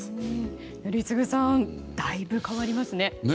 宜嗣さんだいぶ変わりますね。